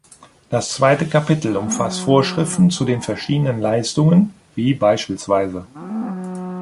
Das zweite Kapitel umfasst Vorschriften zu den verschiedenen Leistungen, wie bspw.